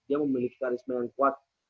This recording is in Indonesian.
dia memiliki karisma yang kuat